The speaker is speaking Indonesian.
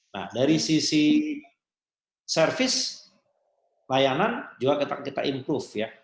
nah dari sisi servis layanan juga kita improve ya